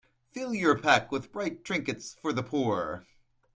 Fill your pack with bright trinkets for the poor.